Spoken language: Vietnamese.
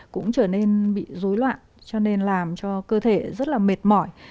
cũng trở nên bị dối loạn cho nên làm cho cơ thể rất là mệt mỏi